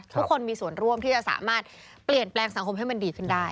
ทุกคนมีส่วนร่วมที่จะสามารถเปลี่ยนแปลงสังคมให้มันดีขึ้นได้